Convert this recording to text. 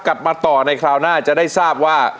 กลับมาต่อในคราวหน้าจะได้ทราบว่า